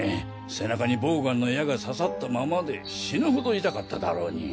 背中にボウガンの矢が刺さったままで死ぬほど痛かっただろうに。